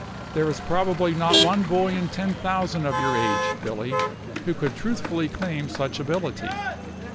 There is probably not one boy in ten thousand of your age, Billy, who could truthfully claim such ability.